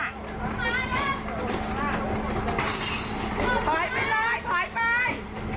ถอยไปเลยถอยไป